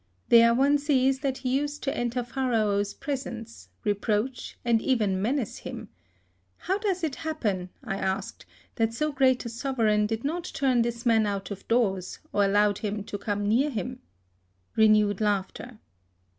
There one sees that he used to enter Pharaoh's presence, re proach, and even menace him. How does it happen, I asked, that so great a sovereign did not turn this man out of doors, or al lowed him to come near him? (Renewed laughter.)